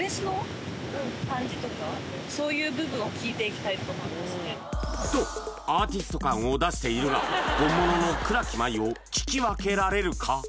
ちょっととアーティスト感を出しているが本物の倉木麻衣を聴き分けられるか？